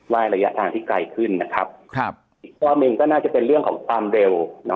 ระยะทางที่ไกลขึ้นนะครับอีกข้อหนึ่งก็น่าจะเป็นเรื่องของความเร็ว